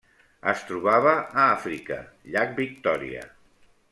Es trobava a Àfrica: llac Victòria.